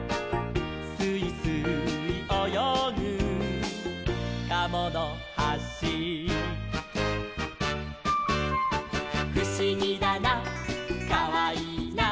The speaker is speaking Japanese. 「すいすいおよぐカモノハシ」「ふしぎだなかわいいな」